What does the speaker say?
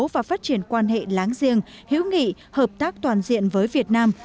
và phát triển quan hệ láng giềng hữu nghị hợp tác toàn diện với việt nam